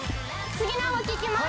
次の動き行きます